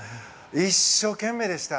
一生懸命でした。